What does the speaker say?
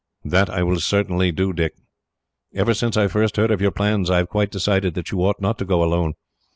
"That I will certainly do, Dick. Ever since I first heard of your plans, I have quite decided that you ought not to go alone.